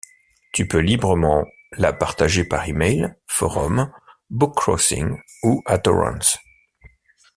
Tu peux librement la partager par email, forum, bookcrossing ou à torrents. ..